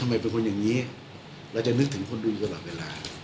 ทำไมเป็นคนอย่างนี้เราจะนึกถึงคนอื่นตลอดเวลา